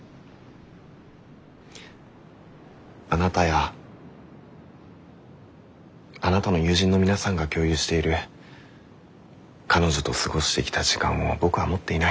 あなたやあなたの友人の皆さんが共有している彼女と過ごしてきた時間を僕は持っていない。